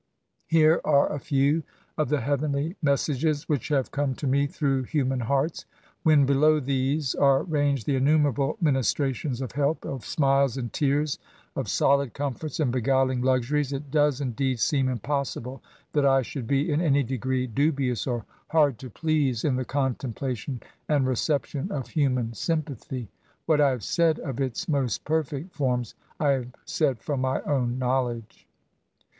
" Here are a few of the heavenly messages which have come to me through human hearts. When below these are ranged the innumerable ministrations of help, of smiles and tears, of solid comforts and beguiling luxuries^ it does indeed seem impossible that I should be in any degree dubious or hard to please in the contemplation and reception of human 30 ESSAYS. sympathy. What I hare said of its most perfect forms, I have said from my own knowledge.